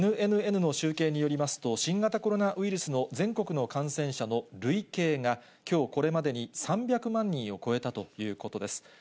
ＮＮＮの集計によりますと、新型コロナウイルスの全国の感染者の累計が、きょうこれまでに３００万人を超えたということです。